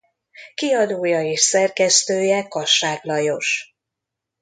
Kiadója és szerkesztője Kassák Lajos.